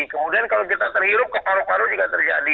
kemudian kalau kita terhirup ke paru paru juga terjadi